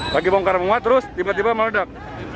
lagi bongkar muat terus tiba tiba meledak